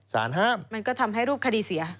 ห้ามมันก็ทำให้รูปคดีเสีย